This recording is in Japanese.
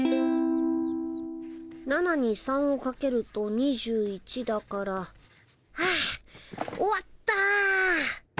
７に３をかけると２１だから。はあ終わった。